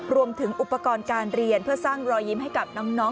รวมถึงอุปกรณ์การเรียนเพื่อสร้างรอยยิ้มให้กับน้อง